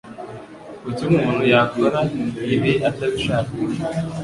Kuki umuntu yakora ibi atabishaka?